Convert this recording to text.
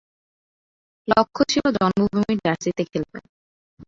লক্ষ্য ছিল জন্মভূমির জার্সিতে খেলবেন।